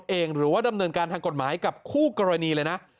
หรือว่าดำเนินการทางกฎหมายกับคู่กรณีเลยนะ